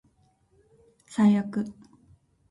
最悪